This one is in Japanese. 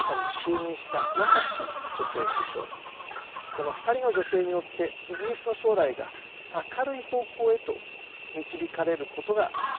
この２人の女性によってイギリスの将来が明るい方向へと導かれることが期待されていました。